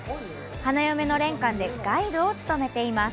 花嫁のれん館でガイドを勤めています。